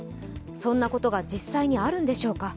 そんなことが実際にあるのでしょうか？